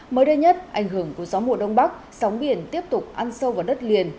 mới đây nhất ảnh hưởng của gió mùa đông bắc sóng biển tiếp tục ăn sâu vào đất liền